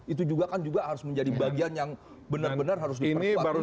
itu juga kan juga harus menjadi bagian yang benar benar harus dipercepat